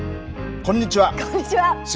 こんにちは。